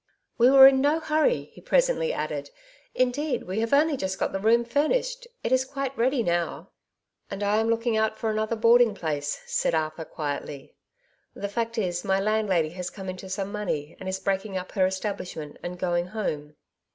''We were in no hurry," he presently added; ''indeed we have only just got the room furnished ; it is quite ready now." "And I am looking out for another boarding place," said Arthur quietly. " The fact is my land lady has come into some money, and is breaking up her establishment and going home."